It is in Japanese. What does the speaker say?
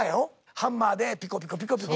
ハンマーでピコピコピコピコ。